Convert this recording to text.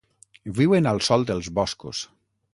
Viuen al sòl dels boscos.